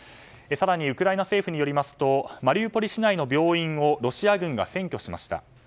更にウクライナ政府によりますとマリウポリ市内の病院をロシア軍が占拠しました。